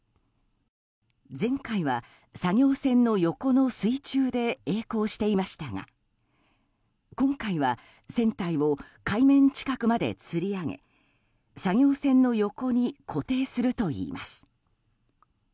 前回は作業船の横の水中で曳航していましたが今回は、船体を海面近くまでつり上げ作業船の横に固定するといいます。